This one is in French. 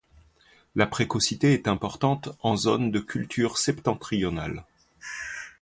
La précocité est importante en zone de culture septentrionale.